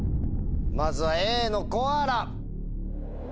まずはＡの「コアラ」。